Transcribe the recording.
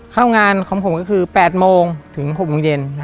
เข้างานของผมก็คือ๘โมงถึง๖โมงเย็น